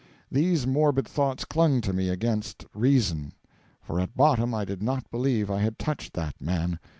These morbid thoughts clung to me against reason; for at bottom I did not believe I had touched that man.